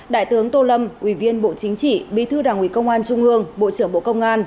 đại tướng tô lâm ủy viên bộ chính trị bí thư đảng ủy công an trung ương bộ trưởng bộ công an